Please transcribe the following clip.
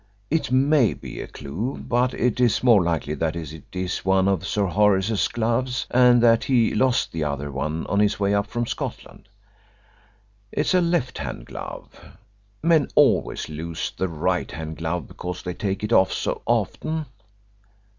It may be a clue, but it is more likely that it is one of Sir Horace's gloves and that he lost the other one on his way up from Scotland. It's a left hand glove men always lose the right hand glove because they take it off so often.